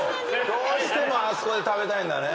どうしてもあそこで食べたいんだね